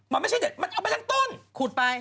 มันเด็ดไป